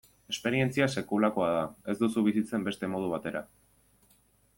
Esperientzia sekulakoa da, ez duzu bizitzen beste modu batera.